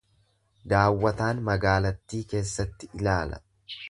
Daawwataan magaalattii keessatti ilaala.